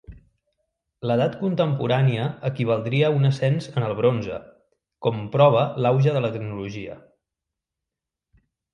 L'edat contemporània equivaldria a un ascens en el bronze, com prova l'auge de la tecnologia.